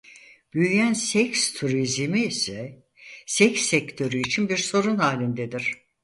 Büyüyen seks turizmi ise seks sektörü için bir sorun halindedir.